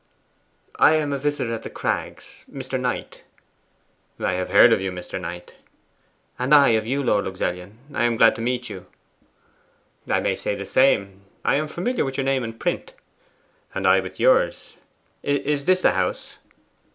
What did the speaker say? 'I am a visitor at The Crags Mr. Knight.' 'I have heard of you, Mr. Knight.' 'And I of you, Lord Luxellian. I am glad to meet you.' 'I may say the same. I am familiar with your name in print.' 'And I with yours. Is this the house?